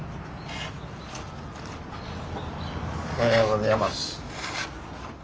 おはようございます。